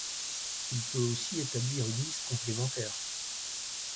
Il peut aussi établir une liste complémentaire.